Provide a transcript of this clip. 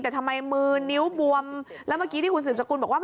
แต่ทำไมมือนิ้วบวมแล้วเมื่อกี้ที่คุณสืบสกุลบอกว่า